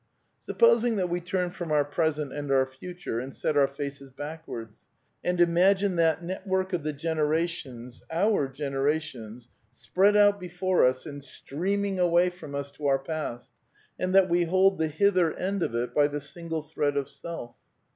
Supposing that we turn from our present and our future and set our faces backwards, and imagine that network of the generations — our generations — spread out before us 26 A DEFENCE OF IDEALISM and streaming away from us to our past^ and that we hold the hither end of it by the single thread of self.